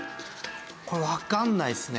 これわからないですね。